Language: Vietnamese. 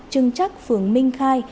trừng trắc phường minh khai